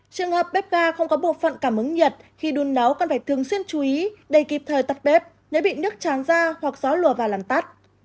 trường hợp bếp ga không có bộ phận cảm ứng nhiệt khi đun nấu cần phải thường xuyên chú ý đầy kịp thời tắt bếp nếu bị nước tràn ra hoặc gió lùa vào làm tắt